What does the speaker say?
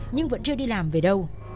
nhưng vẫn chưa đi làm về đâu